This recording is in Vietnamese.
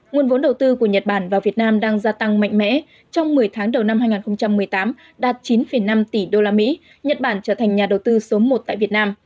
nguồn vốn đầu tư của nhật bản vào việt nam đang gia tăng mạnh mẽ trong một mươi tháng đầu năm hai nghìn một mươi tám đạt chín năm tỷ usd nhật bản trở thành nhà đầu tư số một tại việt nam